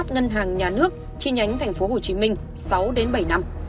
ngân hàng nhà nước chi nhánh tp hcm sáu đến bảy năm